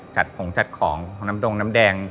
จัดของจัดของของน้ำตรงน้ำแดง